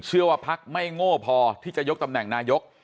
เชื่อว่าภักดิ์ไม่โง่พอที่จะยกตำแหน่งนายก